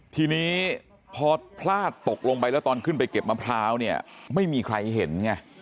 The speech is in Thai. ทีนี้พอพลาดตกลงไปแล้วตอนขึ้นไปเก็บมะพร้าวเนี่ยไม่มีใครเห็นไง